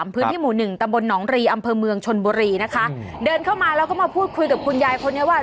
พื้นที่หมู่หนึ่งตำบลหนองรีอำเภอเมืองชนบุรีนะคะเดินเข้ามาแล้วก็มาพูดคุยกับคุณยายคนนี้ว่า